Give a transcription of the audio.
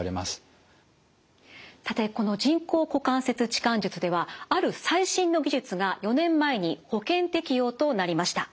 さてこの人工股関節置換術ではある最新の技術が４年前に保険適用となりました。